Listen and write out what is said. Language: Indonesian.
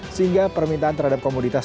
sehingga permintaan terhadap komoditasnya